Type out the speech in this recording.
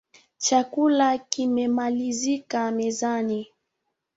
Chakula kimemalizika mezani